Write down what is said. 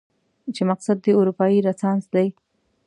چې مقصد دې اروپايي رنسانس دی؟